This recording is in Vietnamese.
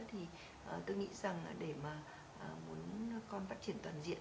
thì tôi nghĩ rằng để mà muốn con phát triển toàn diện